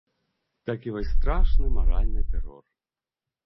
Такі вось страшны маральны тэрор.